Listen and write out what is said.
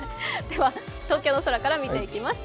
では、東京の空から見ていきます。